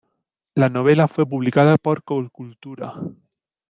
La novela fue publicada por Colcultura.